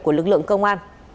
của lực lượng công an